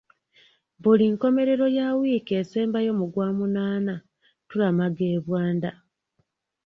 Buli nkomerero ya wiiki esembayo mu Gwomunaana tulamaga e Bwanda.